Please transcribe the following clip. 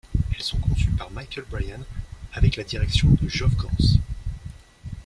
Elles sont conçues par Michael Bryan avec la direction de Geoff Gans.